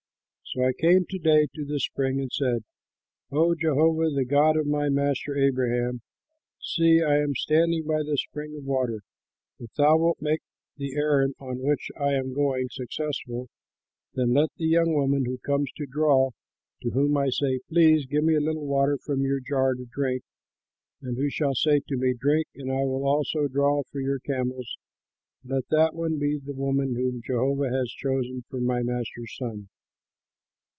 So I came to day to the spring and said, 'O Jehovah, the God of my master Abraham, see, I am standing by the spring of water, if thou wilt make the errand on which I am going successful, then let the young woman who comes to draw, to whom I say, Please give me a little water from your jar to drink, and who shall say to me, Drink, and I will also draw for your camels, let that one be the woman whom Jehovah has chosen for my master's son.'